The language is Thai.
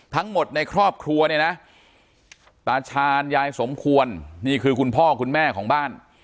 ทั้งหมดในครอบครัวเนี่ยนะตาชาญยายสมควรนี่คือคุณพ่อคุณแม่ของบ้าน